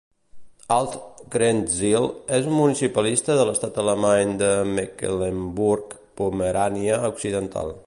Alt Krenzlin és un municipalista de l'estat alemany de Mecklemburg-Pomerània Occidental.